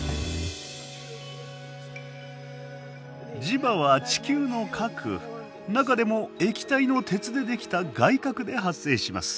磁場は地球の核中でも液体の鉄で出来た外核で発生します。